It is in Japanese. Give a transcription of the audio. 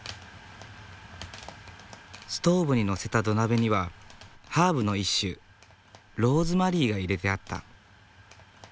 ストーブに載せた土鍋にはハーブの一種ローズマリーが入れてあった。